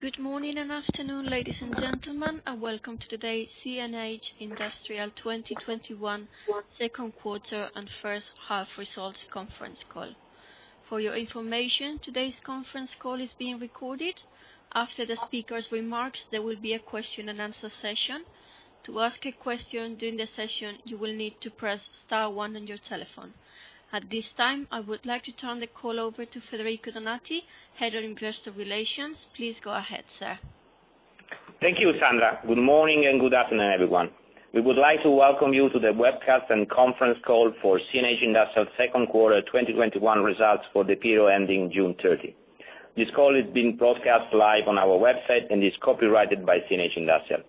Good morning and afternoon, ladies and gentlemen, and welcome to today's CNH Industrial 2021 second quarter and first half results conference call. For your information, today's conference call is being recorded. After the speakers' remarks, there will be a question and answer session. To ask a question during the session, you will need to press star one on your telephone. At this time, I would like to turn the call over to Federico Donati, Head of Investor Relations. Please go ahead, sir. Thank you, Sandra. Good morning and good afternoon, everyone. We would like to welcome you to the webcast and conference call for CNH Industrial's second quarter 2021 results for the period ending June 30. This call is being broadcast live on our website and is copyrighted by CNH Industrial.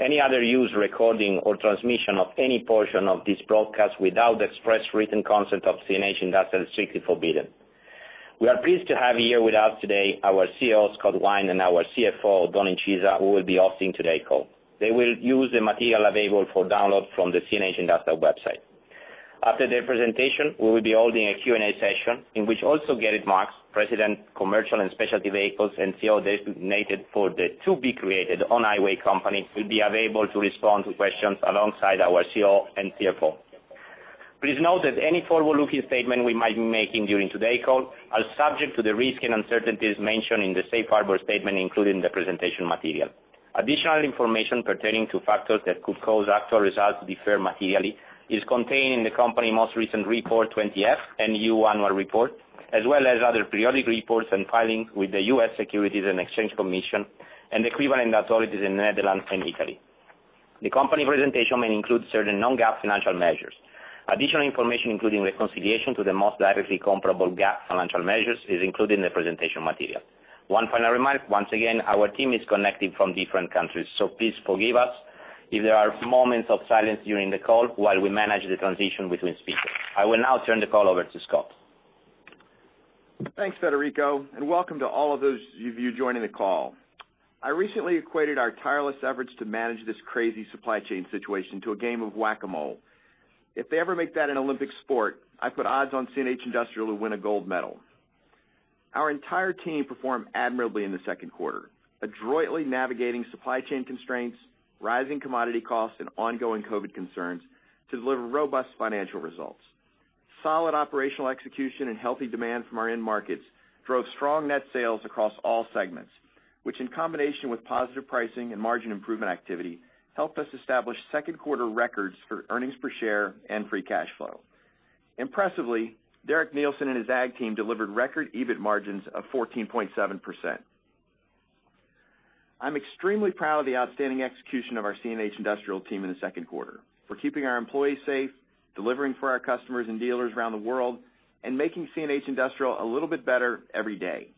Any other use, recording, or transmission of any portion of this broadcast without the express written consent of CNH Industrial is strictly forbidden. We are pleased to have here with us today our CEO, Scott Wine, and our CFO, Oddone Incisa, who will be hosting today's call. They will use the material available for download from the CNH Industrial website. After their presentation, we will be holding a Q&A session in which also Gerrit Marx, President, Commercial and Specialty Vehicles, and CEO designated for the to-be-created On-Highway company will be available to respond to questions alongside our CEO and CFO. Please note that any forward-looking statement we might be making during today's call are subject to the risks and uncertainties mentioned in the safe harbor statement included in the presentation material. Additional information pertaining to factors that could cause actual results to differ materially is contained in the company's most recent Form 20-F and EU annual report, as well as other periodic reports and filings with the U.S. Securities and Exchange Commission and equivalent authorities in Netherlands and Italy. The company presentation may include certain non-GAAP financial measures. Additional information, including reconciliation to the most directly comparable GAAP financial measures, is included in the presentation material. One final remark, once again, our team is connected from different countries, so please forgive us if there are moments of silence during the call while we manage the transition between speakers. I will now turn the call over to Scott. Thanks, Federico, welcome to all of those of you joining the call. I recently equated our tireless efforts to manage this crazy supply chain situation to a game of Whac-A-Mole. If they ever make that an Olympic sport, I'd put odds on CNH Industrial to win a gold medal. Our entire team performed admirably in the second quarter, adroitly navigating supply chain constraints, rising commodity costs, and ongoing COVID concerns to deliver robust financial results. Solid operational execution and healthy demand from our end markets drove strong net sales across all segments, which in combination with positive pricing and margin improvement activity, helped us establish second quarter records for earnings per share and free cash flow. Impressively, Derek Neilson and his Ag team delivered record EBIT margins of 14.7%. I'm extremely proud of the outstanding execution of our CNH Industrial team in the second quarter. For keeping our employees safe, delivering for our customers and dealers around the world, and making CNH Industrial a little bit better every day.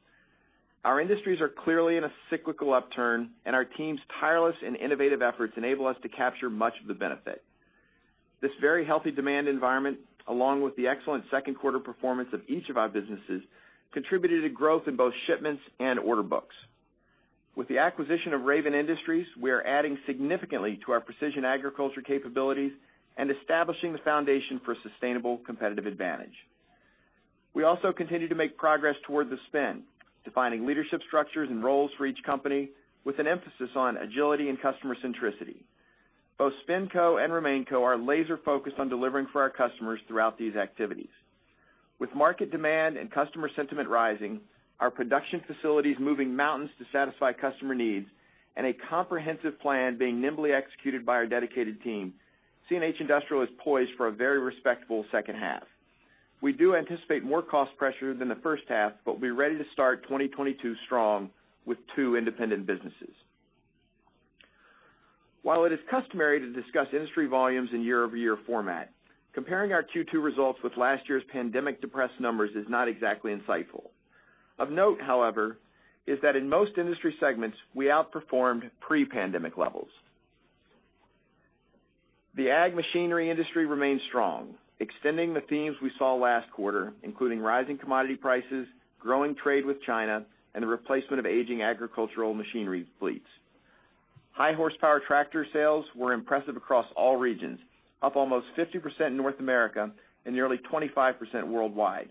Our industries are clearly in a cyclical upturn, and our team's tireless and innovative efforts enable us to capture much of the benefit. This very healthy demand environment, along with the excellent second quarter performance of each of our businesses, contributed to growth in both shipments and order books. With the acquisition of Raven Industries, we are adding significantly to our precision agriculture capabilities and establishing the foundation for sustainable competitive advantage. We also continue to make progress towards the spin, defining leadership structures and roles for each company with an emphasis on agility and customer centricity. Both SpinCo and RemainCo are laser-focused on delivering for our customers throughout these activities. With market demand and customer sentiment rising, our production facilities moving mountains to satisfy customer needs, and a comprehensive plan being nimbly executed by our dedicated team, CNH Industrial is poised for a very respectable second half. We do anticipate more cost pressure than the first half, but we're ready to start 2022 strong with two independent businesses. While it is customary to discuss industry volumes in year-over-year format, comparing our Q2 results with last year's pandemic-depressed numbers is not exactly insightful. Of note, however, is that in most industry segments, we outperformed pre-pandemic levels. The Ag machinery industry remains strong, extending the themes we saw last quarter, including rising commodity prices, growing trade with China, and the replacement of aging agricultural machinery fleets. High horsepower tractor sales were impressive across all regions, up almost 50% in North America and nearly 25% worldwide.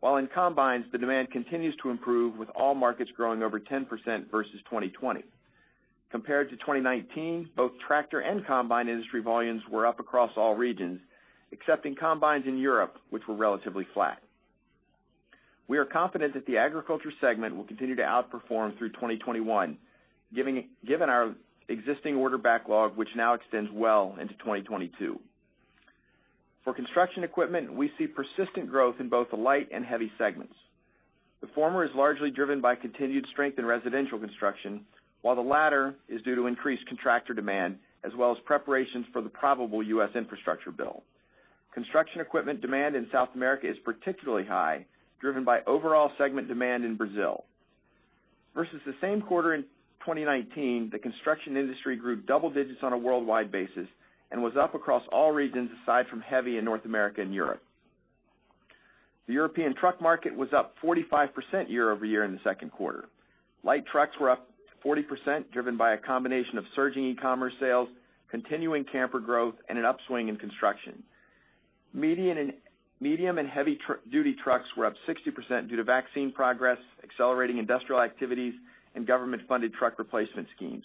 While in combines, the demand continues to improve, with all markets growing over 10% versus 2020. Compared to 2019, both tractor and combine industry volumes were up across all regions, excepting combines in Europe, which were relatively flat. We are confident that the agriculture segment will continue to outperform through 2021, given our existing order backlog, which now extends well into 2022. For construction equipment, we see persistent growth in both the light and heavy segments. The former is largely driven by continued strength in residential construction, while the latter is due to increased contractor demand as well as preparations for the probable U.S. infrastructure bill. Construction equipment demand in South America is particularly high, driven by overall segment demand in Brazil. Versus the same quarter in 2019, the construction industry grew double digits on a worldwide basis and was up across all regions aside from heavy in North America and Europe. The European truck market was up 45% year-over-year in the second quarter. Light trucks were up 40%, driven by a combination of surging e-commerce sales, continuing camper growth, and an upswing in construction. Medium and heavy-duty trucks were up 60% due to vaccine progress, accelerating industrial activities, and government-funded truck replacement schemes.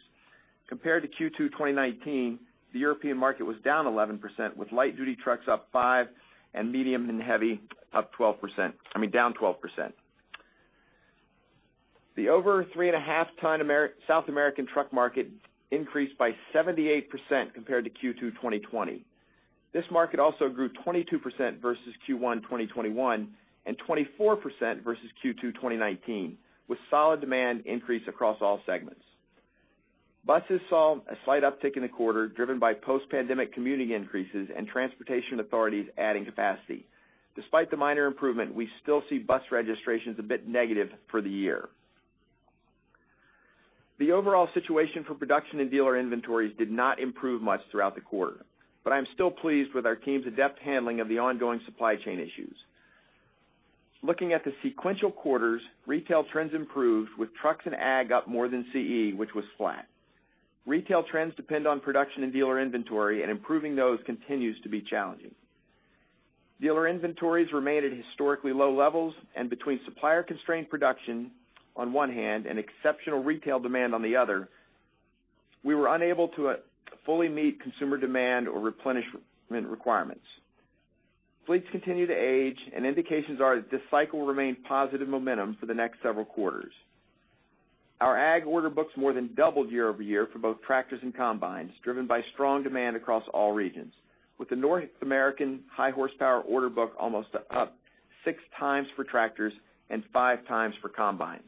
Compared to Q2 2019, the European market was down 11%, with light-duty trucks up 5% and medium and heavy up 12%, I mean, down 12%. The over three and a half ton South American truck market increased by 78% compared to Q2 2020. This market also grew 22% versus Q1 2021, and 24% versus Q2 2019, with solid demand increase across all segments. Buses saw a slight uptick in the quarter, driven by post-pandemic commuting increases and transportation authorities adding capacity. Despite the minor improvement, we still see bus registrations a bit negative for the year. The overall situation for production and dealer inventories did not improve much throughout the quarter, but I'm still pleased with our team's adept handling of the ongoing supply chain issues. Looking at the sequential quarters, retail trends improved, with trucks and Ag up more than CE, which was flat. Retail trends depend on production and dealer inventory, and improving those continues to be challenging. Dealer inventories remained at historically low levels, and between supplier-constrained production on one hand and exceptional retail demand on the other, we were unable to fully meet consumer demand or replenishment requirements. Fleets continue to age and indications are that this cycle will remain positive momentum for the next several quarters. Our Ag order books more than doubled year-over-year for both tractors and combines, driven by strong demand across all regions. With the North American high horsepower order book almost up six times for tractors and five times for combines.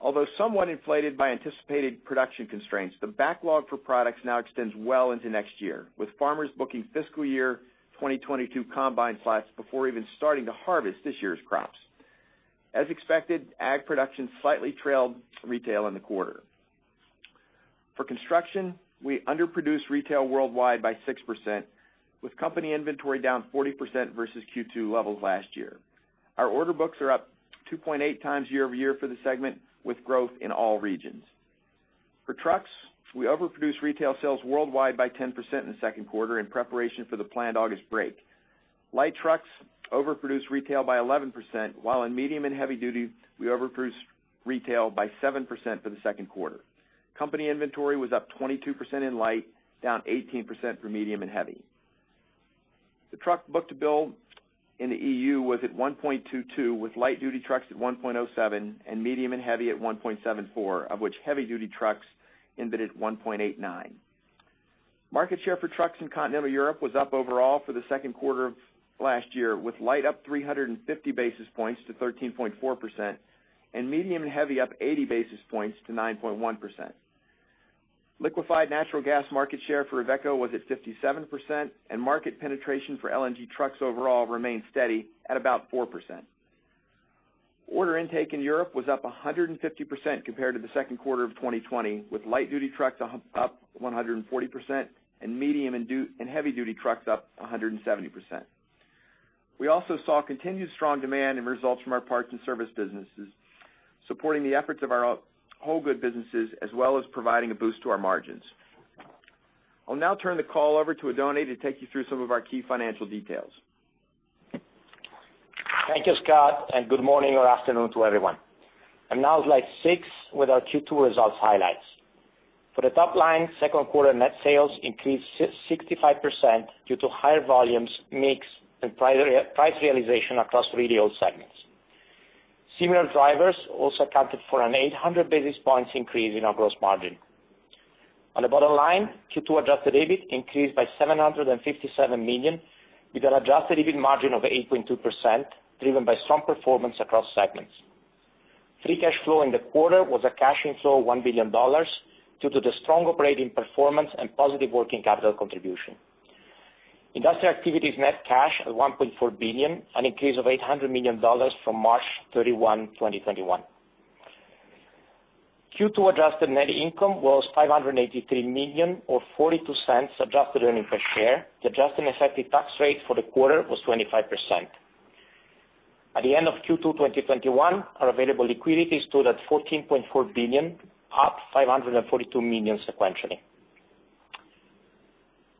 Although somewhat inflated by anticipated production constraints, the backlog for products now extends well into next year, with farmers booking fiscal year 2022 combine flats before even starting to harvest this year's crops. As expected, Ag production slightly trailed retail in the quarter. For construction, we underproduced retail worldwide by 6%, with company inventory down 40% versus Q2 levels last year. Our order books are up 2.8x year-over-year for the segment, with growth in all regions. For trucks, we overproduced retail sales worldwide by 10% in the second quarter in preparation for the planned August break. Light trucks overproduced retail by 11%, while in medium and heavy-duty, we overproduced retail by 7% for the second quarter. Company inventory was up 22% in light, down 18% for medium and heavy. The truck book to build in the E.U. was at 1.22% with light-duty trucks at 1.07% and medium and heavy at 1.74%, of which heavy-duty trucks ended at 1.89%. Market share for trucks in Continental Europe was up overall for the second quarter of last year, with light up 350 basis points to 13.4%, and medium and heavy up 80 basis points to 9.1%. Liquefied natural gas market share for Iveco was at 57%, and market penetration for LNG trucks overall remained steady at about 4%. Order intake in Europe was up 150% compared to the second quarter of 2020, with light-duty trucks up 140% and medium and heavy-duty trucks up 170%. We also saw continued strong demand in results from our parts and service businesses, supporting the efforts of our whole good businesses, as well as providing a boost to our margins. I'll now turn the call over to Oddone to take you through some of our key financial details. Thank you, Scott, and good morning or afternoon to everyone. I'm now on slide six with our Q2 results highlights. For the top line, second quarter net sales increased 65% due to higher volumes, mix, and price realization across three wheel segments. Similar drivers also accounted for an 800 basis points increase in our gross margin. On the bottom line, Q2 adjusted EBIT increased by $757 million, with an adjusted EBIT margin of 8.2%, driven by strong performance across segments. Free cash flow in the quarter was a cash inflow of $1 billion due to the strong operating performance and positive working capital contribution. Industrial activities net cash at $1.4 billion, an increase of $800 million from March 31, 2021. Q2 adjusted net income was $583 million or $0.42 adjusted earning per share. The adjusted effective tax rate for the quarter was 25%. At the end of Q2 2021, our available liquidity stood at $14.4 billion, up $542 million sequentially.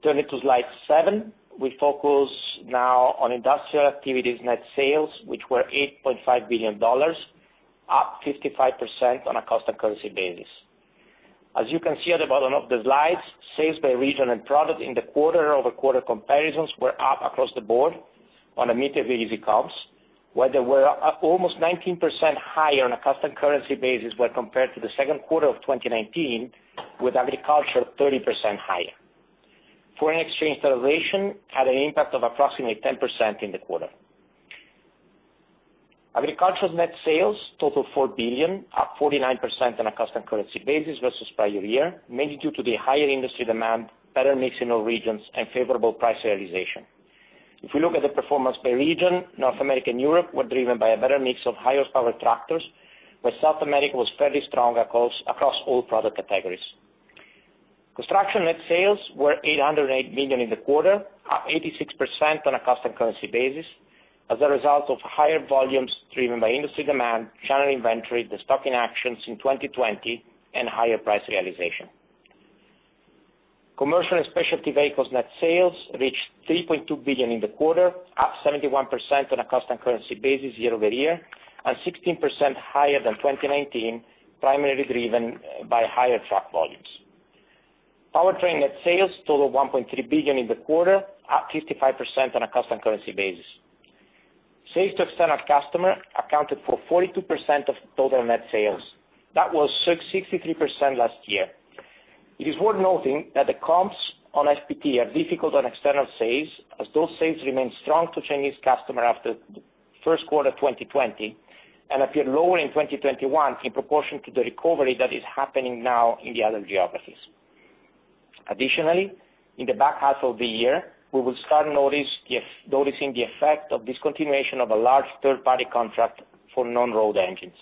Turning to slide seven, we focus now on industrial activities net sales, which were $8.5 billion, up 55% on a constant currency basis. As you can see at the bottom of the slides, sales by region and product in the quarter-over-quarter comparisons were up across the board on a met easy comps, where they were up almost 19% higher on a constant currency basis when compared to the second quarter of 2019, with Agriculture 30% higher. Foreign exchange realization had an impact of approximately 10% in the quarter. Agriculture's net sales total $4 billion, up 49% on a constant currency basis versus prior year, mainly due to the higher industry demand, better mix in all regions, and favorable price realization. If we look at the performance by region, North America and Europe were driven by a better mix of higher power tractors, where South America was fairly strong across all product categories. Construction net sales were $808 million in the quarter, up 86% on a constant currency basis. As a result of higher volumes driven by industry demand, channel inventory, the stocking actions in 2020, and higher price realization. Commercial and Specialty Vehicles net sales reached $3.2 billion in the quarter, up 71% on a constant currency basis year-over-year, and 16% higher than 2019, primarily driven by higher truck volumes. Powertrain net sales total $1.3 billion in the quarter, up 55% on a constant currency basis. Sales to external customer accounted for 42% of total net sales. That was 63% last year. It is worth noting that the comps on FPT are difficult on external sales, as those sales remain strong to Chinese customer after first quarter 2020, and appear lower in 2021 in proportion to the recovery that is happening now in the other geographies. Additionally, in the back half of the year, we will start noticing the effect of discontinuation of a large third-party contract for non-road engines.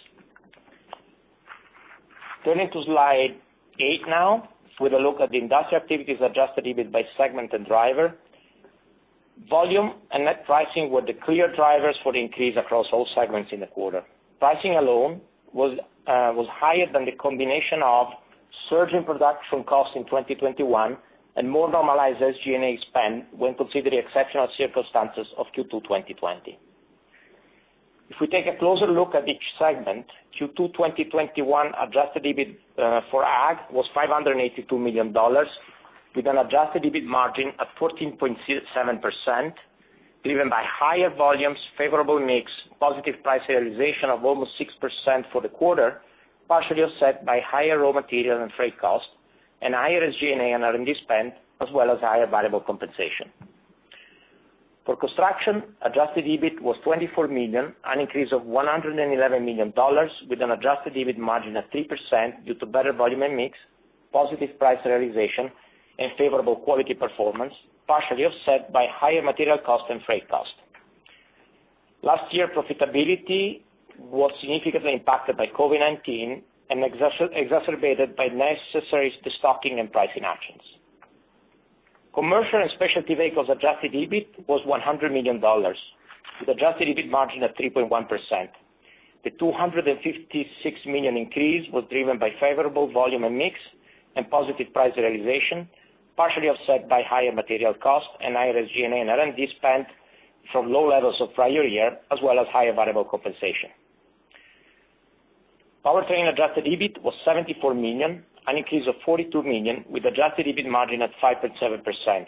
Turning to slide eight now, with a look at the industrial activities adjusted EBIT by segment and driver. Volume and net pricing were the clear drivers for the increase across all segments in the quarter. Pricing alone was higher than the combination of surge in production cost in 2021 and more normalized SG&A spend when considering exceptional circumstances of Q2 2020. If we take a closer look at each segment, Q2 2021 adjusted EBIT for Ag was $582 million, with an adjusted EBIT margin of 14.7%, driven by higher volumes, favorable mix, positive price realization of almost 6% for the quarter, partially offset by higher raw material and freight cost, and higher SG&A and R&D spend, as well as higher variable compensation. For Construction, adjusted EBIT was $24 million, an increase of $111 million with an adjusted EBIT margin of 3% due to better volume and mix, positive price realization, and favorable quality performance, partially offset by higher material cost and freight cost. Last year, profitability was significantly impacted by COVID-19 and exacerbated by necessary destocking and pricing actions. Commercial and Specialty Vehicles adjusted EBIT was $100 million, with adjusted EBIT margin of 3.1%. The $256 million increase was driven by favorable volume and mix and positive price realization, partially offset by higher material cost and higher SG&A and R&D spend from low levels of prior year, as well as higher variable compensation. Powertrain adjusted EBIT was $74 million, an increase of $42 million with adjusted EBIT margin at 5.7%,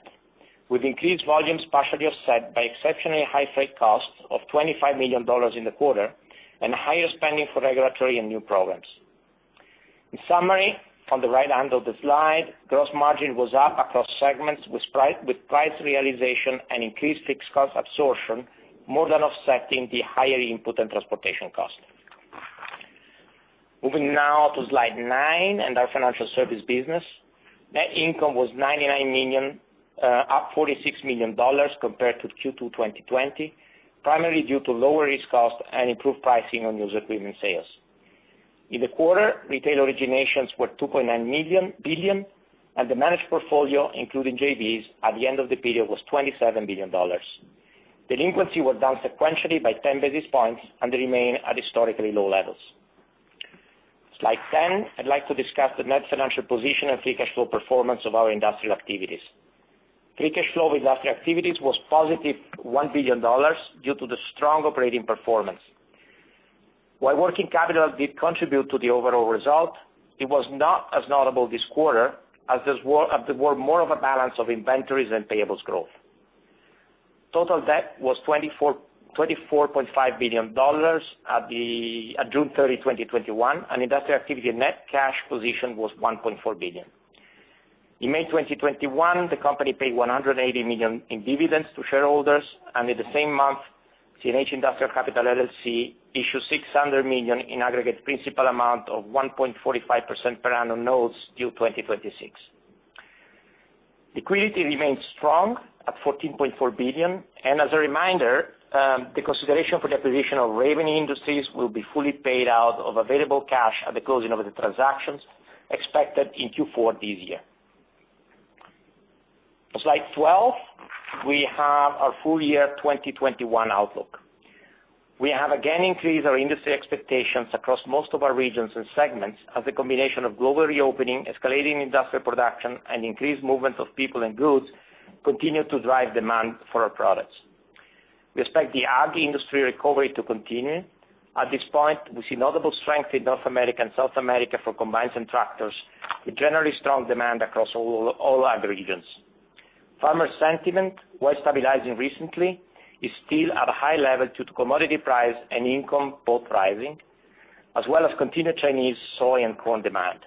with increased volumes partially offset by exceptionally high freight costs of $25 million in the quarter and higher spending for regulatory and new programs. In summary, on the right-hand of the slide, gross margin was up across segments with price realization and increased fixed cost absorption more than offsetting the higher input and transportation cost. Moving now to slide nine and our financial service business. Net income was $99 million, up $46 million compared to Q2 2020, primarily due to lower risk cost and improved pricing on used equipment sales. In the quarter, retail originations were $2.9 billion, and the managed portfolio, including JVs at the end of the period, was $27 billion. Delinquency was down sequentially by 10 basis points and remain at historically low levels. Slide 10, I'd like to discuss the net financial position and free cash flow performance of our industrial activities. Free cash flow industrial activities was +$1 billion due to the strong operating performance. While working capital did contribute to the overall result, it was not as notable this quarter as there were more of a balance of inventories and payables growth. Total debt was $24.5 billion at June 30, 2021, and industrial activity net cash position was $1.4 billion. In May 2021, the company paid $180 million in dividends to shareholders, and in the same month, CNH Industrial Capital LLC issued $600 million in aggregate principal amount of 1.45% per annum notes due 2026. Liquidity remains strong at $14.4 billion, and as a reminder, the consideration for the acquisition of Raven Industries will be fully paid out of available cash at the closing of the transactions expected in Q4 this year. Slide 12, we have our full year 2021 outlook. We have again increased our industry expectations across most of our regions and segments as a combination of global reopening, escalating industrial production, and increased movement of people and goods continue to drive demand for our products. We expect the Ag industry recovery to continue. At this point, we see notable strength in North America and South America for combines and tractors, with generally strong demand across all other regions. Farmer sentiment, while stabilizing recently, is still at a high level due to commodity price and income both rising, as well as continued Chinese soy and corn demand.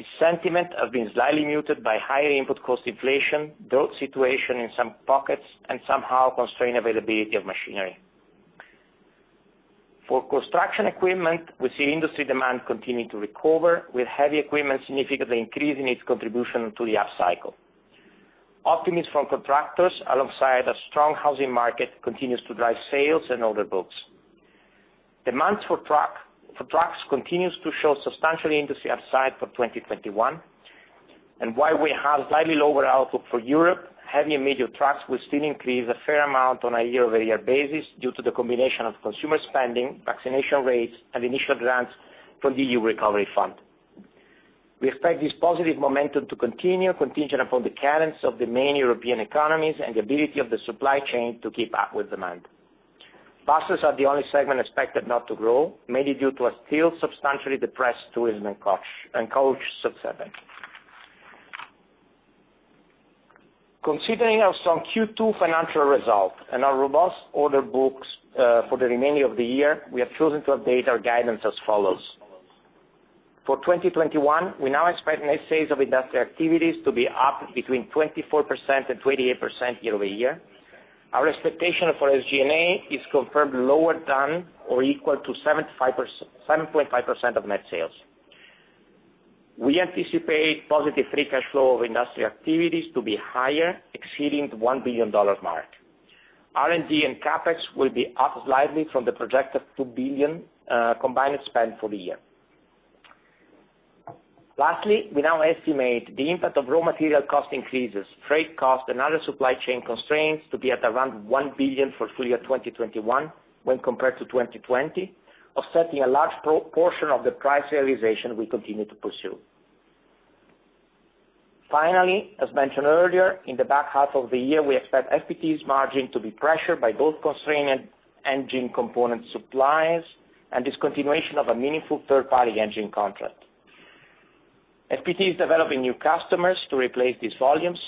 The sentiment has been slightly muted by higher input cost inflation, drought situation in some pockets, and somehow constrained availability of machinery. For construction equipment, we see industry demand continuing to recover, with heavy equipment significantly increasing its contribution to the up cycle. Optimism from contractors alongside a strong housing market continues to drive sales and order books. Demand for trucks continues to show substantial industry upside for 2021. While we have slightly lower output for Europe, heavy and medium trucks will still increase a fair amount on a year-over-year basis due to the combination of consumer spending, vaccination rates, and initial grants from the EU Recovery Fund. We expect this positive momentum to continue contingent upon the cadence of the main European economies and the ability of the supply chain to keep up with demand. Buses are the only segment expected not to grow, mainly due to a still substantially depressed tourism and coach sub-segment. Considering our strong Q2 financial results and our robust order books for the remaining of the year, we have chosen to update our guidance as follows. For 2021, we now expect net sales of industrial activities to be up between 24% and 28% year-over-year. Our expectation for SG&A is confirmed lower than or equal to 7.5% of net sales. We anticipate positive free cash flow of industrial activities to be higher, exceeding the $1 billion mark. R&D and CapEx will be up slightly from the projected $2 billion combined spend for the year. Lastly, we now estimate the impact of raw material cost increases, freight cost, and other supply chain constraints to be at around $1 billion for full year 2021 when compared to 2020, offsetting a large portion of the price realization we continue to pursue. As mentioned earlier, in the back half of the year, we expect FPT's margin to be pressured by both constrained engine component supplies and discontinuation of a meaningful third-party engine contract. FPT is developing new customers to replace these volumes,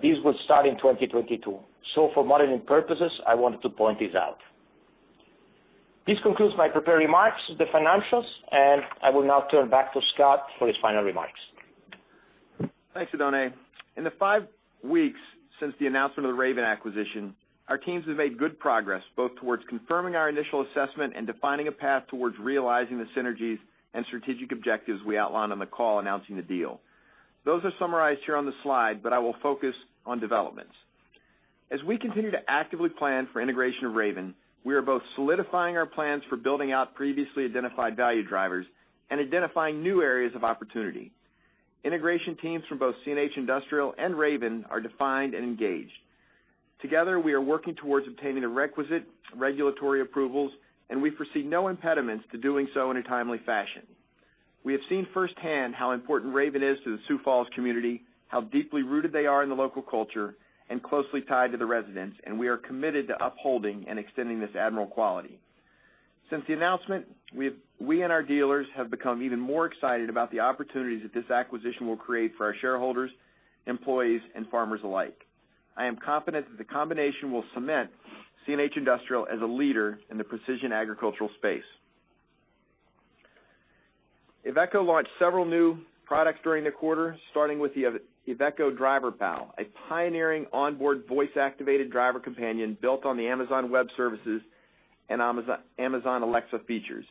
these will start in 2022. For modeling purposes, I wanted to point this out. This concludes my prepared remarks, the financials, and I will now turn back to Scott for his final remarks. Thanks, Oddone. In the five weeks since the announcement of the Raven acquisition, our teams have made good progress both towards confirming our initial assessment and defining a path towards realizing the synergies and strategic objectives we outlined on the call announcing the deal. Those are summarized here on the slide. I will focus on developments. As we continue to actively plan for integration of Raven, we are both solidifying our plans for building out previously identified value drivers and identifying new areas of opportunity. Integration teams from both CNH Industrial and Raven are defined and engaged. Together, we are working towards obtaining the requisite regulatory approvals, and we foresee no impediments to doing so in a timely fashion. We have seen firsthand how important Raven is to the Sioux Falls community, how deeply rooted they are in the local culture and closely tied to the residents, and we are committed to upholding and extending this admirable quality. Since the announcement, we and our dealers have become even more excited about the opportunities that this acquisition will create for our shareholders, employees, and farmers alike. I am confident that the combination will cement CNH Industrial as a leader in the precision agricultural space. Iveco launched several new products during the quarter, starting with the IVECO Driver Pal, a pioneering onboard voice-activated driver companion built on the Amazon Web Services and Amazon Alexa features.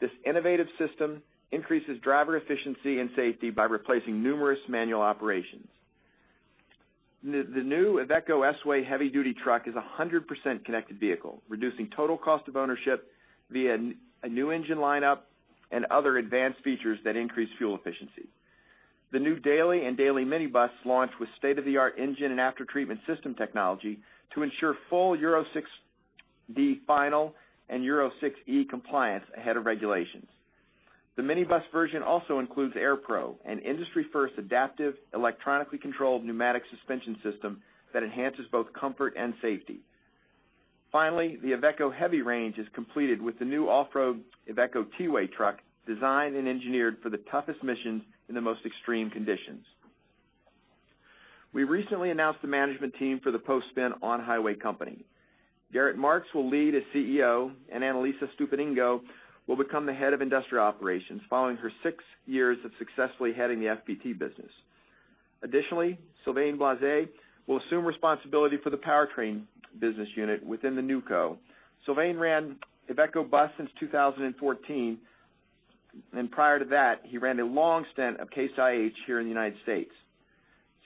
This innovative system increases driver efficiency and safety by replacing numerous manual operations. The new IVECO S-Way heavy-duty truck is 100% connected vehicle, reducing total cost of ownership via a new engine lineup and other advanced features that increase fuel efficiency. The new Daily and Daily minibus launch with state-of-the-art engine and after-treatment system technology to ensure full Euro 6d Final and Euro 6e compliance ahead of regulations. The minibus version also includes AIR-PRO, an industry-first adaptive, electronically controlled pneumatic suspension system that enhances both comfort and safety. The Iveco heavy range is completed with the new off-road IVECO T-Way truck, designed and engineered for the toughest missions in the most extreme conditions. We recently announced the management team for the post-spin on-highway company. Gerrit Marx will lead as CEO, and Annalisa Stupenengo will become the Head of Industrial Operations, following her 6 years of successfully heading the FPT business. Additionally, Sylvain Blaise will assume responsibility for the powertrain business unit within the NewCo. Sylvain ran Iveco Bus since 2014, and prior to that, he ran a long stint of Case IH here in the United States.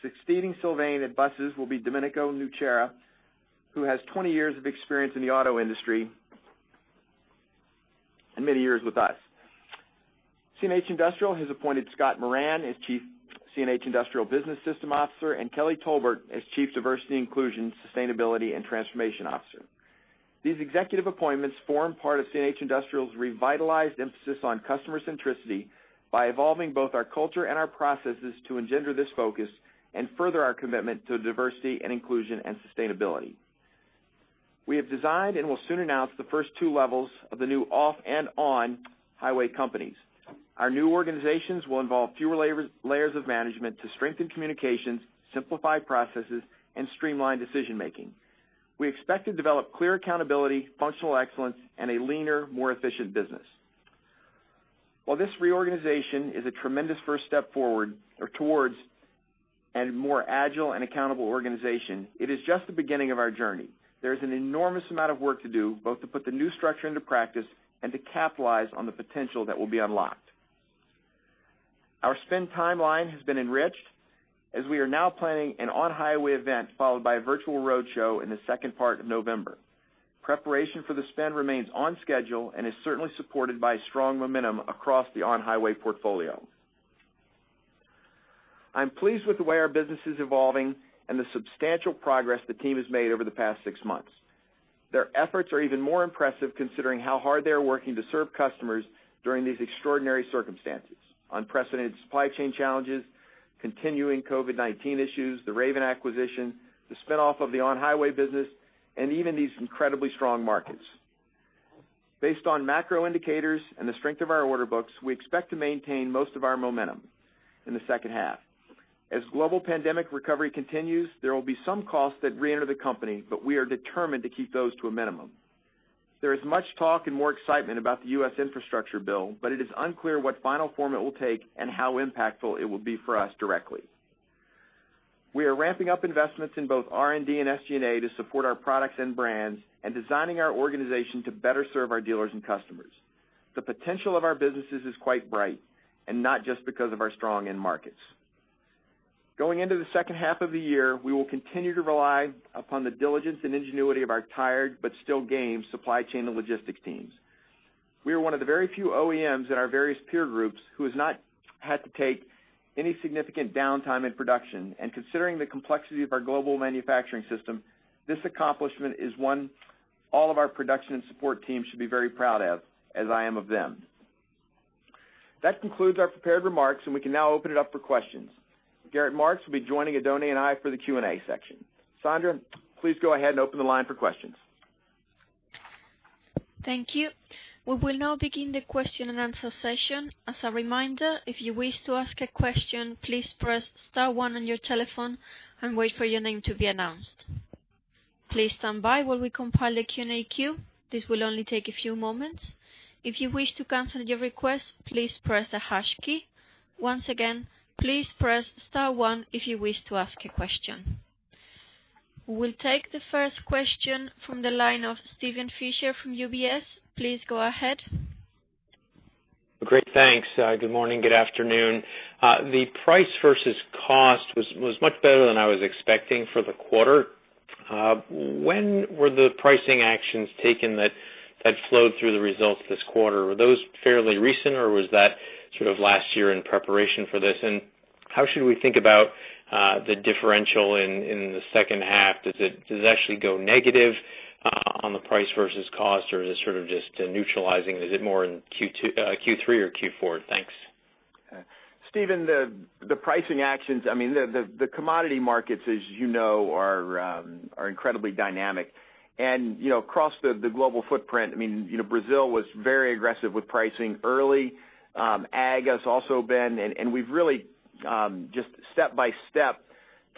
Succeeding Sylvain at buses will be Domenico Nucera, who has 20 years of experience in the auto industry and many years with us. CNH Industrial has appointed Scott Moran as Chief CNH Industrial Business System Officer and Kelly Tolbert as Chief Diversity, Inclusion, Sustainability, and Transformation Officer. These executive appointments form part of CNH Industrial's revitalized emphasis on customer centricity by evolving both our culture and our processes to engender this focus and further our commitment to diversity and inclusion and sustainability. We have designed and will soon announce the first two levels of the new off and on-highway companies. Our new organizations will involve fewer layers of management to strengthen communications, simplify processes, and streamline decision making. We expect to develop clear accountability, functional excellence, and a leaner, more efficient business. While this reorganization is a tremendous first step forward or towards a more agile and accountable organization, it is just the beginning of our journey. There is an enormous amount of work to do, both to put the new structure into practice and to capitalize on the potential that will be unlocked. Our spend timeline has been enriched as we are now planning an on-highway event followed by a virtual roadshow in the second part of November. Preparation for the spend remains on schedule and is certainly supported by strong momentum across the on-highway portfolio. I'm pleased with the way our business is evolving and the substantial progress the team has made over the past six months. Their efforts are even more impressive considering how hard they are working to serve customers during these extraordinary circumstances. Unprecedented supply chain challenges, continuing COVID-19 issues, the Raven acquisition, the spinoff of the on-highway business, and even these incredibly strong markets. Based on macro indicators and the strength of our order books, we expect to maintain most of our momentum in the second half. As global pandemic recovery continues, there will be some costs that reenter the company, but we are determined to keep those to a minimum. There is much talk and more excitement about the U.S. Infrastructure Bill, but it is unclear what final form it will take and how impactful it will be for us directly. We are ramping up investments in both R&D and SG&A to support our products and brands and designing our organization to better serve our dealers and customers. The potential of our businesses is quite bright, and not just because of our strong end markets. Going into the second half of the year, we will continue to rely upon the diligence and ingenuity of our tired but still game supply chain and logistics teams. We are one of the very few OEMs in our various peer groups who has not had to take any significant downtime in production. And considering the complexity of our global manufacturing system, this accomplishment is one all of our production and support teams should be very proud of, as I am of them. That concludes our prepared remarks, and we can now open it up for questions. Gerrit Marx will be joining Oddone and I for the Q&A section. Sandra, please go ahead and open the line for questions. Thank you, we will now begin the question and answer session. As a reminder, if you wish to ask a question please press star one on you telephone, and wait for your name to be announced. Please standby while we compile the Q&A queue, this will only take a few moments. If you wish to cancel your request please press the hash key, Once again please press star one if you with to ask a question. We'll take the first question from the line of Steven Fisher from UBS. Please go ahead. Great. Thanks. Good morning, good afternoon. The price versus cost was much better than I was expecting for the quarter. When were the pricing actions taken that flowed through the results this quarter? Were those fairly recent, or was that sort of last year in preparation for this? How should we think about the differential in the second half? Does it actually go negative on the price versus cost, or is it sort of just neutralizing? Is it more in Q3 or Q4? Thanks. Steven, the pricing actions, the commodity markets, as you know, are incredibly dynamic. Across the global footprint, Brazil was very aggressive with pricing early. Ag has also been. We've really just step by step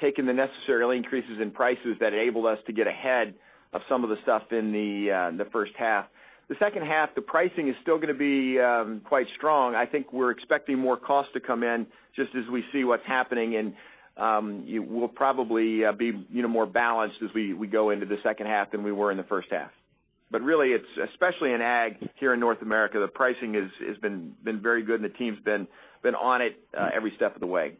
taken the necessary early increases in prices that enabled us to get ahead of some of the stuff in the first half. The second half, the pricing is still going to be quite strong. I think we're expecting more cost to come in just as we see what's happening, and we'll probably be more balanced as we go into the second half than we were in the first half. Really, especially in ag here in North America, the pricing has been very good, and the team's been on it every step of the way.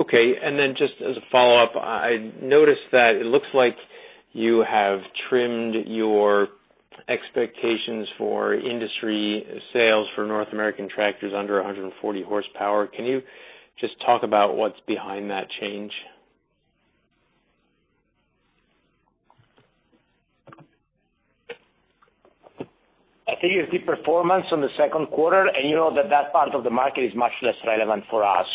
Okay. Just as a follow-up, I noticed that it looks like you have trimmed your expectations for industry sales for North American tractors under 140 horsepower. Can you just talk about what's behind that change? I think it's the performance on the second quarter, you know that that part of the market is much less relevant for us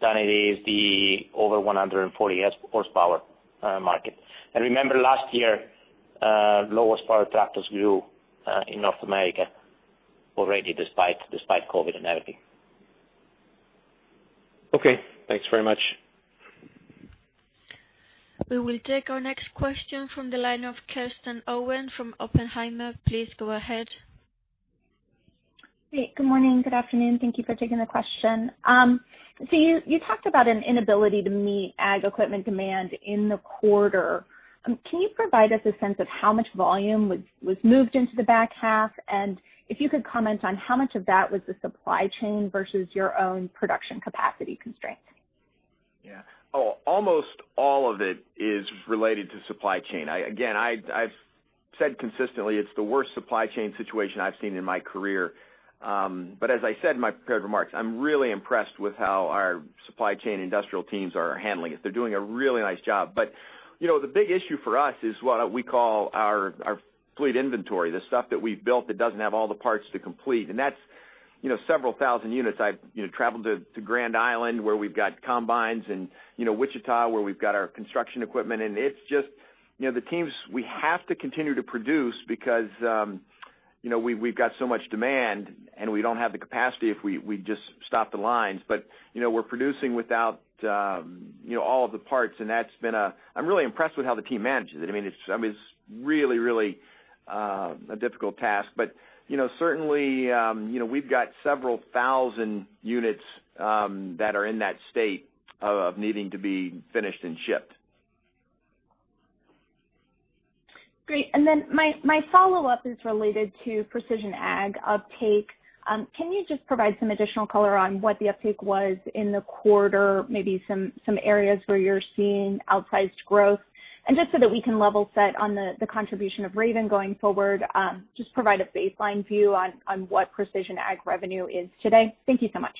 than it is the over 140 horsepower market. Remember, last year, low-horsepower tractors grew in North America already despite COVID and everything. Okay. Thanks very much. We will take our next question from the line of Kristen Owen from Oppenheimer. Please go ahead. Hey, good morning, good afternoon. Thank Thank you for taking the question. You talked about an inability to meet ag equipment demand in the quarter. Can you provide us a sense of how much volume was moved into the back half? And if you could comment on how much of that was the supply chain versus your own production capacity constraints? Almost all of it is related to supply chain. I've said consistently it's the worst supply chain situation I've seen in my career. As I said in my prepared remarks, I'm really impressed with how our supply chain industrial teams are handling it. They're doing a really nice job. The big issue for us is what we call our fleet inventory, the stuff that we've built that doesn't have all the parts to complete. That's several thousand units. I've traveled to Grand Island where we've got combines and Wichita where we've got our construction equipment. The teams, we have to continue to produce because we've got so much demand, and we don't have the capacity if we just stop the lines. We're producing without all of the parts, and I'm really impressed with how the team manages it. It's really a difficult task. Certainly we've got several thousand units that are in that state of needing to be finished and shipped. Great. My follow-up is related to precision ag uptake. Can you just provide some additional color on what the uptake was in the quarter, maybe some areas where you're seeing outsized growth? Just so that we can level set on the contribution of Raven going forward, just provide a baseline view on what precision ag revenue is today. Thank you so much.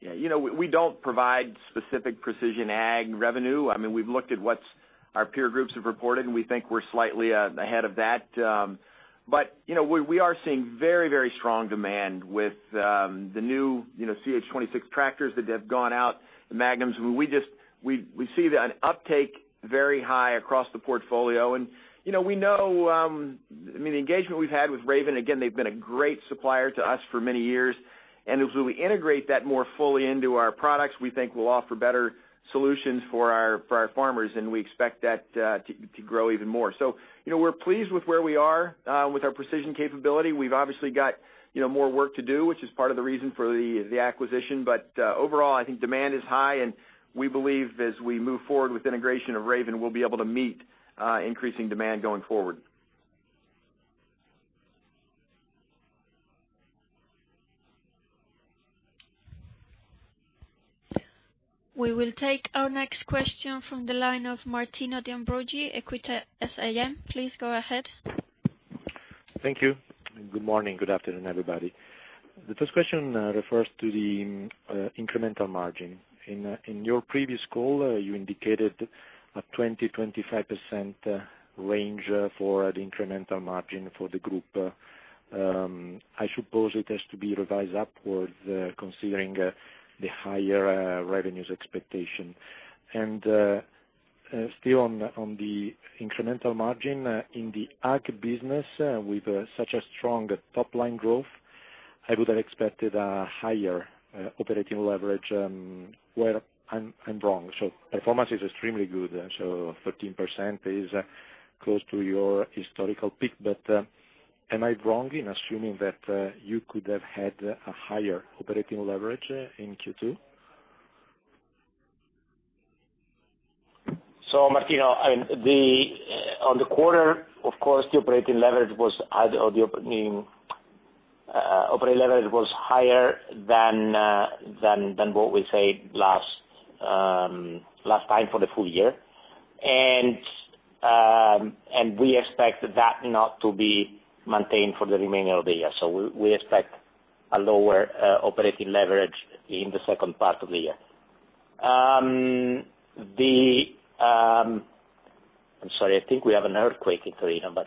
Yeah. We don't provide specific precision Ag revenue. We've looked at what our peer groups have reported, and we think we're slightly ahead of that. We are seeing very strong demand with the new CH26 tractors that have gone out, the Magnums. We see an uptake very high across the portfolio. We know the engagement we've had with Raven, again, they've been a great supplier to us for many years. As we integrate that more fully into our products, we think we'll offer better solutions for our farmers, and we expect that to grow even more. We're pleased with where we are with our precision capability. We've obviously got more work to do, which is part of the reason for the acquisition. Overall, I think demand is high, and we believe as we move forward with integration of Raven, we'll be able to meet increasing demand going forward. We will take our next question from the line of Martino De Ambroggi, Equita SIM. Please go ahead. Thank you. Good morning, good afternoon, everybody. The first question refers to the incremental margin. In your previous call, you indicated a 20%-25% range for the incremental margin for the group. I suppose it has to be revised upwards, considering the higher revenues expectation. Still on the incremental margin, in the ag business, with such a strong top-line growth, I would have expected a higher operating leverage. Where I'm wrong? Performance is extremely good, so 13% is close to your historical peak. Am I wrong in assuming that you could have had a higher operating leverage in Q2? Martino, on the quarter, of course, the operating leverage was higher than what we said last time for the full year. We expect that not to be maintained for the remainder of the year. We expect a lower operating leverage in the second part of the year. I'm sorry. I think we have an earthquake in Torino, but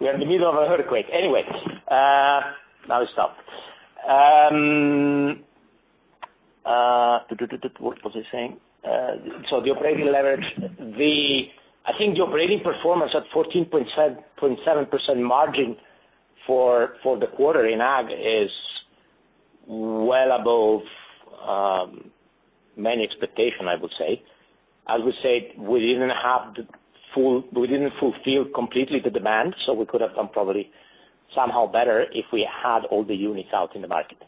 we are in the middle of an earthquake. Anyway, now it stopped. What was I saying? The operating leverage. I think the operating performance at 14.7% margin for the quarter in Ag is well above many expectations, I would say. As we said, we didn't fulfill completely the demand, so we could have done probably somehow better if we had all the units out in the market.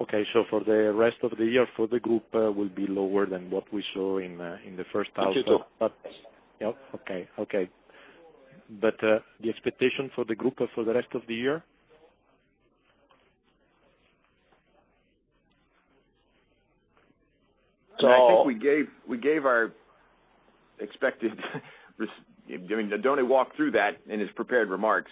Okay. For the rest of the year, for the group will be lower than what we saw in the first half. In Q2. Yep. Okay. The expectation for the group for the rest of the year? I think we gave our expected I mean, Oddone walked through that in his prepared remarks.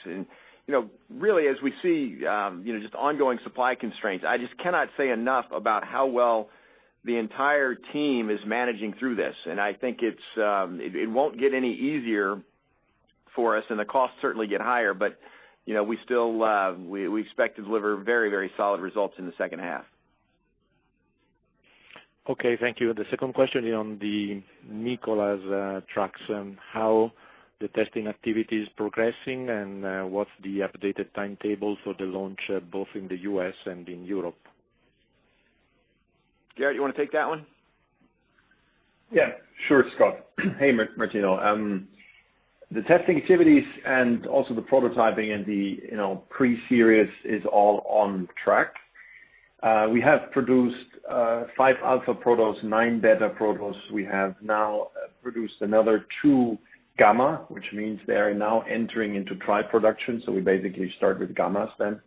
Really as we see just ongoing supply constraints, I just cannot say enough about how well the entire team is managing through this. I think it won't get any easier for us, and the costs certainly get higher, but we expect to deliver very solid results in the second half. Okay, thank you. The second question on the Nikola's trucks, and how the testing activity is progressing, and what's the updated timetable for the launch, both in the U.S. and in Europe? Gerrit, you want to take that one? Yeah, sure, Scott. Hey, Martino. The testing activities and also the prototyping and the pre-series is all on track. We have produced five alpha protos, nine beta protos. We have now produced another two gamma, which means they are now entering into trial production. We basically start with gammas then.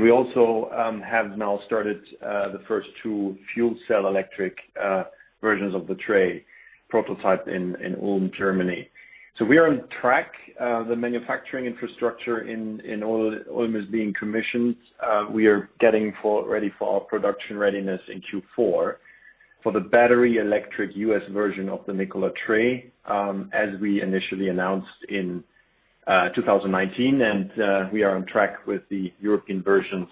We also have now started the first two fuel cell electric versions of the TRE prototype in Ulm, Germany. We are on track. The manufacturing infrastructure in Ulm is being commissioned. We are getting ready for our production readiness in Q4 for the battery electric U.S. version of the Nikola TRE, as we initially announced in 2019. We are on track with the European versions,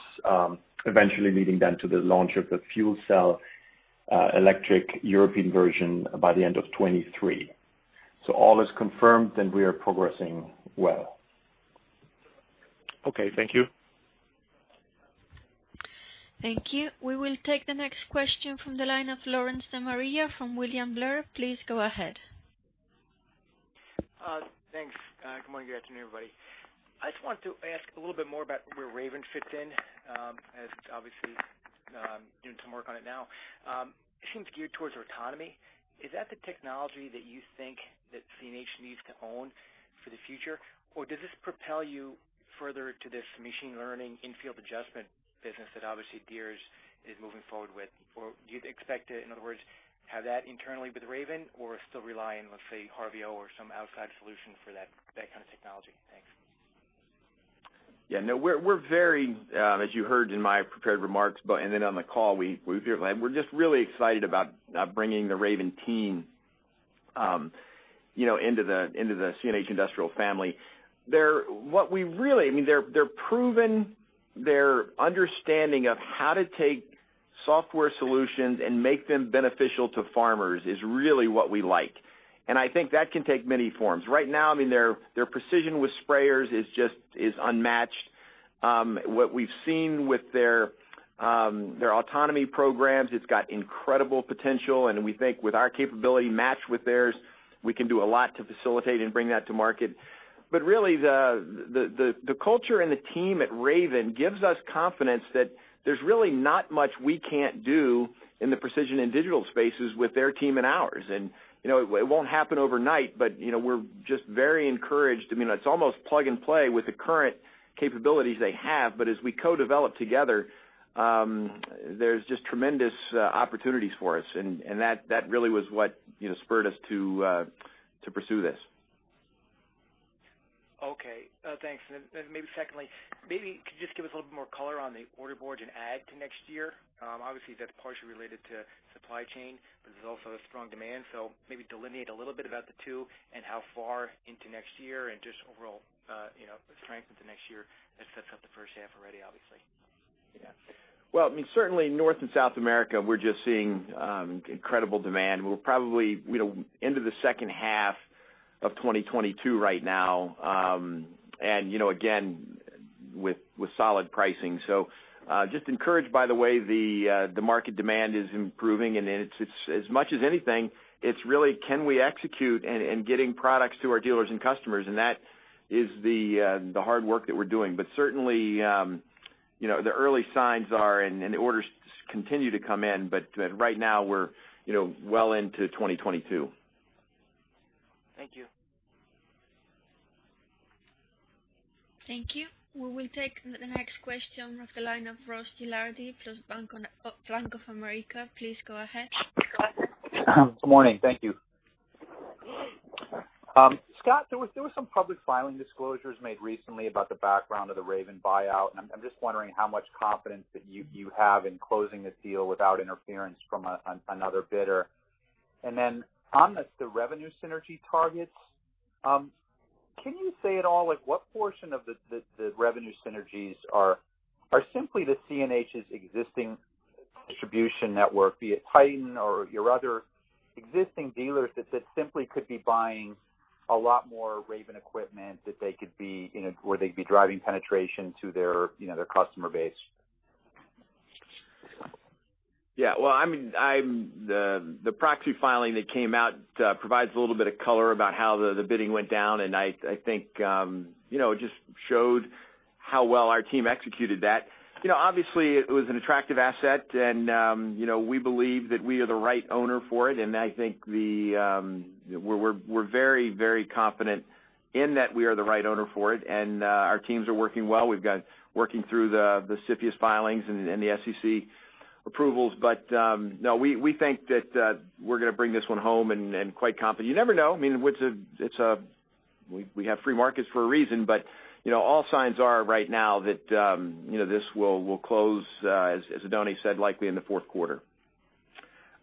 eventually leading then to the launch of the fuel cell electric European version by the end of 2023. All is confirmed, and we are progressing well. Okay, thank you. Thank you. We will take the next question from the line of Lawrence De Maria from William Blair. Please go ahead. Thanks. Good morning. Good afternoon, everybody. I just wanted to ask a little bit more about where Raven fits in, as obviously doing some work on it now. It seems geared towards autonomy. Is that the technology that you think that CNH needs to own for the future, or does this propel you further to this machine learning, in-field adjustment business that obviously Deere is moving forward with? Do you expect to, in other words, have that internally with Raven or still rely on, let's say, xarvio or some outside solution for that kind of technology? Thanks. We're very, as you heard in my prepared remarks, on the call, we're just really excited about bringing the Raven team into the CNH Industrial family. Their proven understanding of how to take software solutions and make them beneficial to farmers is really what we like. I think that can take many forms. Right now, their precision with sprayers is unmatched. What we've seen with their autonomy programs, it's got incredible potential, and we think with our capability matched with theirs, we can do a lot to facilitate and bring that to market. Really, the culture and the team at Raven gives us confidence that there's really not much we can't do in the precision and digital spaces with their team and ours. It won't happen overnight, but we're just very encouraged. It's almost plug and play with the current capabilities they have. As we co-develop together, there's just tremendous opportunities for us, and that really was what spurred us to pursue this. Okay. Thanks. Maybe secondly, maybe could you just give us a little bit more color on the order boards in Ag to next year? Obviously, that's partially related to supply chain, there's also the strong demand. Maybe delineate a little bit about the two and how far into next year and just overall strength into next year as that's up the first half already, obviously. Well, certainly North and South America, we're just seeing incredible demand. We're probably into the second half of 2022 right now. Again, with solid pricing. Just encouraged by the way the market demand is improving, and as much as anything, it's really can we execute in getting products to our dealers and customers, and that is the hard work that we're doing. Certainly, the early signs are, and the orders continue to come in. Right now, we're well into 2022. Thank you. Thank you. We will take the next question, of the line of Ross Gilardi, from Bank of America. Please go ahead. Good morning. Thank you. Scott, there were some public filing disclosures made recently about the background of the Raven buyout, and I am just wondering how much confidence that you have in closing this deal without interference from another bidder. On the revenue synergy targets, can you say at all what portion of the revenue synergies are simply the CNH's existing distribution network, be it Titan or your other existing dealers that simply could be buying a lot more Raven equipment, or they would be driving penetration to their customer base? Yeah. Well, the proxy filing that came out provides a little bit of color about how the bidding went down, and I think just showed how well our team executed that. Obviously, it was an attractive asset, and we believe that we are the right owner for it. I think we're very confident in that we are the right owner for it, and our teams are working well. We've got working through the CFIUS filings and the SEC approvals. No, we think that we're going to bring this one home and quite confident. You never know. We have free markets for a reason, but all signs are right now that this will close, as Oddone said, likely in the fourth quarter.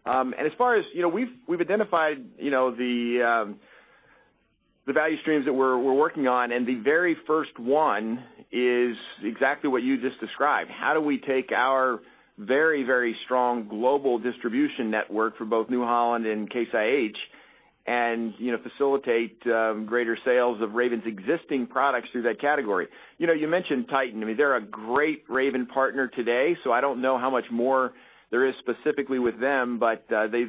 As far as we've identified the value streams that we're working on, and the very first one is exactly what you just described. How do we take our very strong global distribution network for both New Holland and Case IH and facilitate greater sales of Raven’s existing products through that category? You mentioned Titan. They’re a great Raven partner today, so I don’t know how much more there is specifically with them, but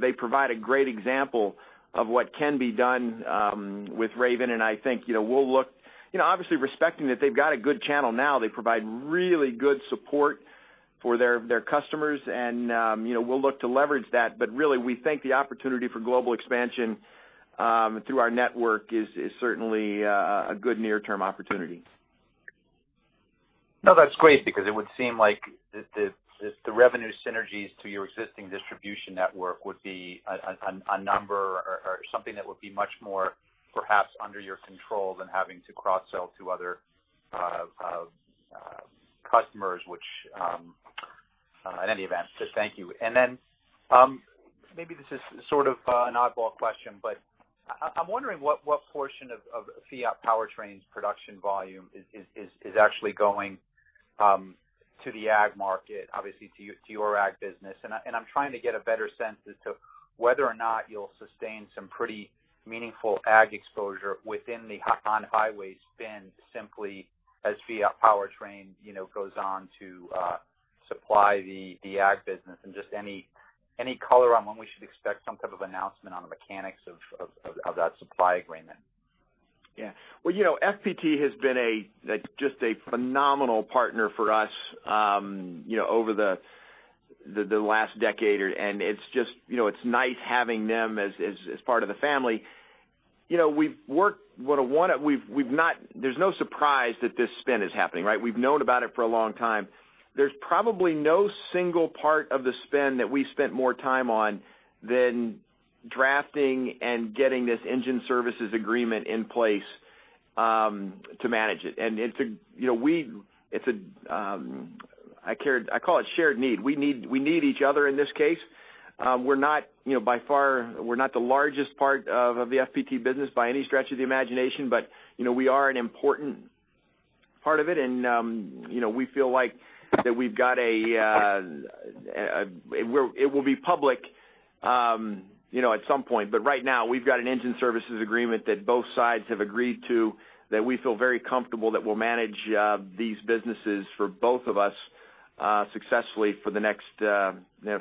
they provide a great example of what can be done with Raven, and I think we’ll look obviously respecting that they’ve got a good channel now. They provide really good support for their customers, and we’ll look to leverage that. Really, we think the opportunity for global expansion through our network is certainly a good near-term opportunity. No, that's great because it would seem like the revenue synergies to your existing distribution network would be a number or something that would be much more perhaps under your control than having to cross-sell to other customers. Thank you. Then, maybe this is sort of an oddball question, but I'm wondering what portion of FPT powertrains production volume is actually going to the ag market, obviously to your ag business. I'm trying to get a better sense as to whether or not you'll sustain some pretty meaningful ag exposure within the On-Highway spin, simply as FPT powertrain goes on to supply the ag business and just any color on when we should expect some type of announcement on the mechanics of that supply agreement? Yeah. Well, FPT has been just a phenomenal partner for us over the last decade, and it's nice having them as part of the family. There's no surprise that this spin is happening, right? We've known about it for a long time. There's probably no single part of the spin that we spent more time on than drafting and getting this engine services agreement in place to manage it. I call it shared need. We need each other in this case. We're not the largest part of the FPT business by any stretch of the imagination, but we are an important part of it, and we feel like that it will be public at some point. Right now, we've got an engine services agreement that both sides have agreed to, that we feel very comfortable that we'll manage these businesses for both of us successfully for the next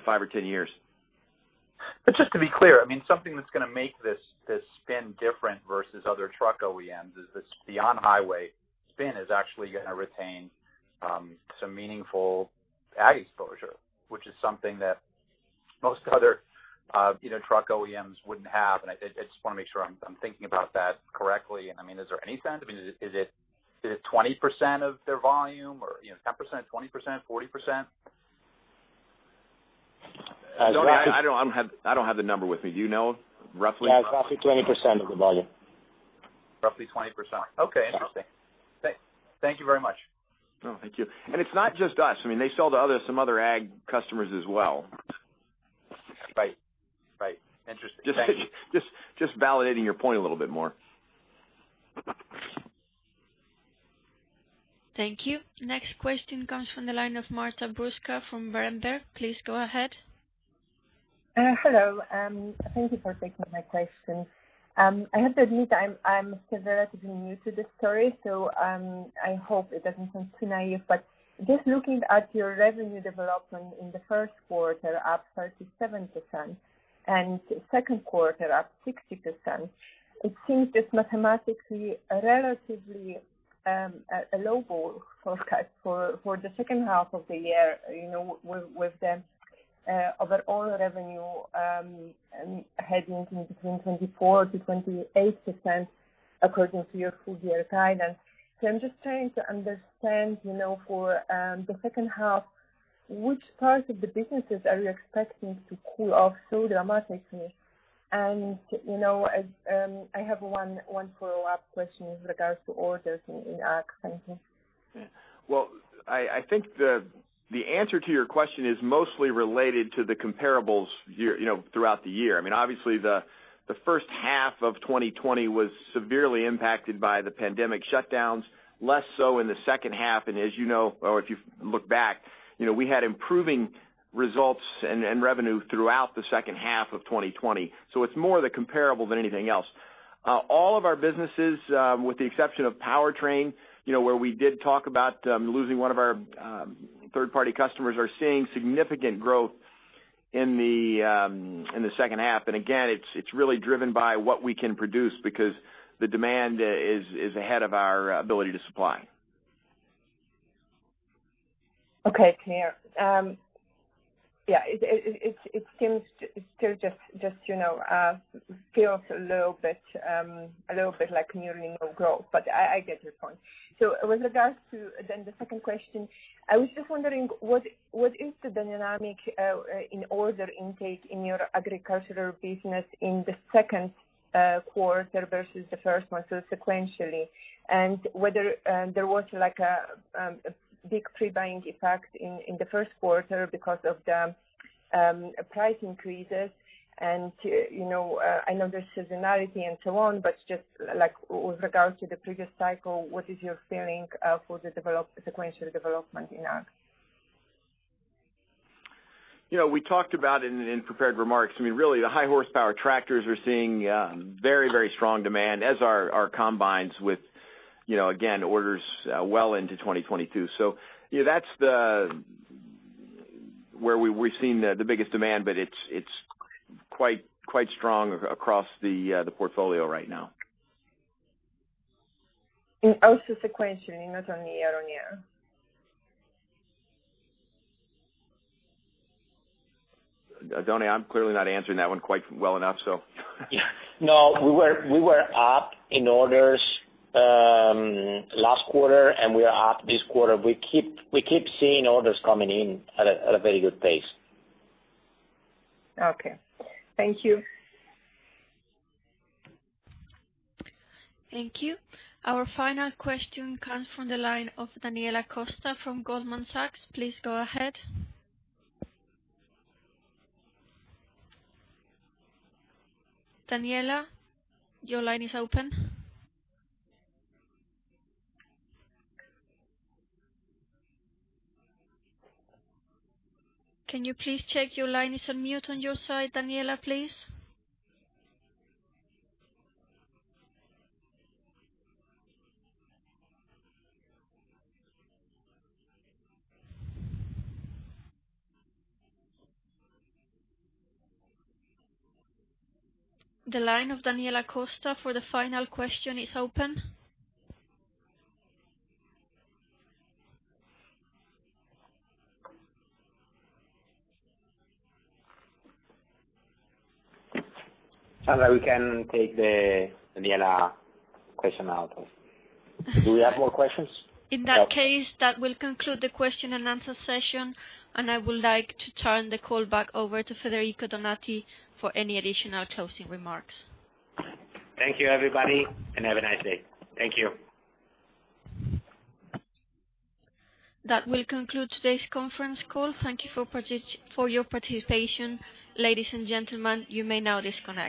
five or 10 years. Just to be clear, something that's going to make this spin different versus other truck OEMs is this beyond highway spin is actually going to retain some meaningful ag exposure, which is something that most other truck OEMs wouldn't have, and I just want to make sure I'm thinking about that correctly. Is there any sense? Is it 20% of their volume or 10%, 20%, 40%? I don't have the number with me. Do you know roughly? Yeah. It's roughly 20% of the volume. Roughly 20%. Okay. Interesting. Thank you very much. No, thank you. It's not just us. They sell to some other ag customers as well. Right. Interesting. Thank you. Just validating your point a little bit more. Thank you. Next question comes from the line of Marta Bruska from Berenberg. Please go ahead. Hello. Thank you for taking my question. I have to admit I'm still relatively new to this story, so I hope it doesn't sound too naive, but just looking at your revenue development in the first quarter, up 37%, and second quarter up 60%, it seems it's mathematically relatively a lowball forecast for the second half of the year with the overall revenue heading between 24%-28% according to your full year guidance. I'm just trying to understand for the second half, which parts of the businesses are you expecting to cool off so dramatically? I have one follow-up question with regards to orders in Ag. Thank you. Well, I think the answer to your question is mostly related to the comparables throughout the year. Obviously, the first half of 2020 was severely impacted by the pandemic shutdowns, less so in the second half. As you know, or if you look back, we had improving results and revenue throughout the second half of 2020. It's more the comparable than anything else. All of our businesses, with the exception of powertrain, where we did talk about losing one of our third-party customers, are seeing significant growth in the second half. Again, it's really driven by what we can produce because the demand is ahead of our ability to supply. Okay. Clear. It still just feels a little bit like merely no growth, but I get your point. With regards to the second question, I was just wondering what is the dynamic in order intake in your agricultural business in the second quarter versus the first one, sequentially, and whether there was a big pre-buying effect in the first quarter because of the price increases. I know there's seasonality and so on, but just with regards to the previous cycle, what is your feeling for the sequential development in Ag? We talked about it in prepared remarks. Really, the high horsepower tractors are seeing very strong demand as our combines with, again, orders well into 2022. That's where we've seen the biggest demand, but it's quite strong across the portfolio right now. Also sequentially not only year-on-year. Oddone, I'm clearly not answering that one quite well enough. No. We were up in orders last quarter. We are up this quarter. We keep seeing orders coming in at a very good pace. Okay. Thank you. Thank you. Our final question comes from the line of Daniela Costa from Goldman Sachs. Please go ahead. Daniela, your line is open. Can you please check your line is on mute on your side, Daniela, please? The line of Daniela Costa for the final question is open. Sounds like we can take Daniela question out. Do we have more questions? In that case, that will conclude the question and answer session. I would like to turn the call back over to Federico Donati for any additional closing remarks. Thank you, everybody, and have a nice day. Thank you. That will conclude today's conference call. Thank you for your participation. Ladies and gentlemen, you may now disconnect.